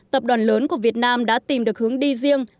tập đoàn lớn của việt nam đã tìm được hướng đi riêng